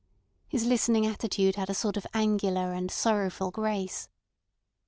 His listening attitude had a sort of angular and sorrowful grace.